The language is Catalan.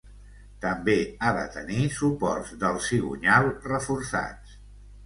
També ha de tenir suports del cigonyal reforçats.